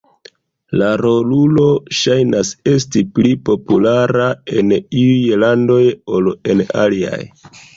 La rolulo ŝajnas esti pli populara en iuj landoj ol en aliaj.